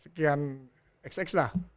sekian xx lah